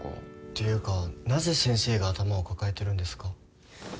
っていうかなぜ先生が頭を抱えてるんですか？